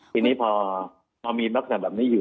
ทีนี้พอมีลักษณะแบบนี้อยู่